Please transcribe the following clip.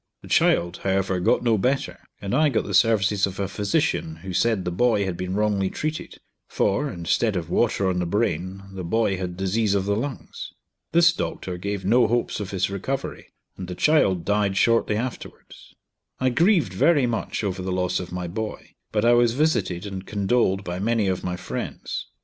The child, however, got no better, and I got the services of a physician who said the boy had been wrongly treated, for, instead of water on the brain the boy had disease of the lungs. This doctor gave no hopes of his recovery, and the child died shortly afterwards. I grieved very much over the loss of my boy; but I was visited and condoled by many of my friends.